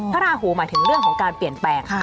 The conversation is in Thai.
ราหูหมายถึงเรื่องของการเปลี่ยนแปลง